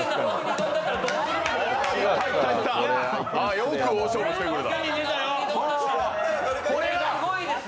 よく大勝負してくれた。